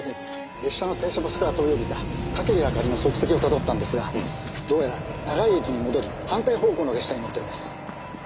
列車の停車場所から飛び降りた武部あかりの足跡をたどったんですがどうやら長井駅に戻り反対方向の列車に乗ったようです。